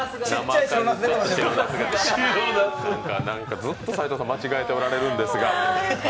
ずっと斉藤さん、間違えておられるんですが。